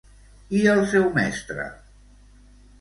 I el seu mestre?